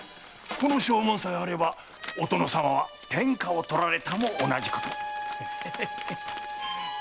この証文さえあればお殿様は天下を取られたも同じこと。